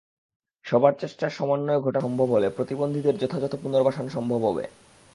সবার চেষ্টার সমন্বয় ঘটানো সম্ভব হলে প্রতিবন্ধীদের যথাযথ পুনর্বাসন সম্ভব হবে।